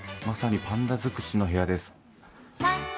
まさにパンダ尽くしの部屋です。